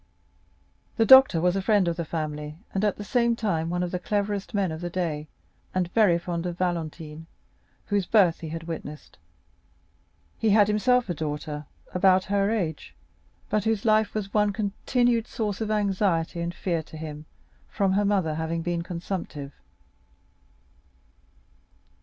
The doctor was a friend of the family, and at the same time one of the cleverest men of the day, and very fond of Valentine, whose birth he had witnessed. He had himself a daughter about her age, but whose life was one continued source of anxiety and fear to him from her mother having been consumptive.